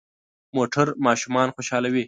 موټر ماشومان خوشحالوي.